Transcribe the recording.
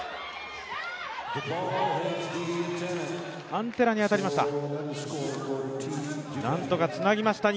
アンテナに当たりました。